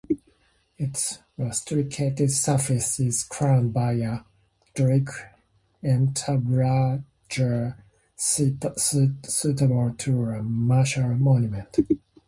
Its rusticated surface is crowned by a Doric entablature, suitable to a martial monument.